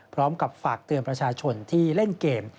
พร้อมกับฝากเตือนประชาชนที่เล่นเกม